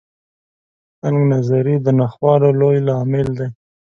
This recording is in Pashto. تنګ نظري د ناخوالو لوی لامل دی.